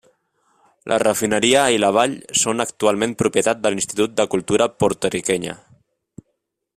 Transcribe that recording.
La refineria i la vall són actualment propietat de l'Institut de Cultura Porto-riquenya.